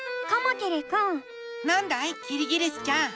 キリギリスちゃん。